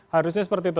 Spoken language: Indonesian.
harusnya seperti itu